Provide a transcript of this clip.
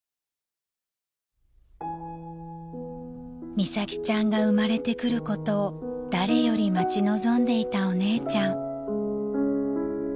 ［美咲ちゃんが生まれてくることを誰より待ち望んでいたお姉ちゃん］